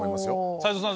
斉藤さん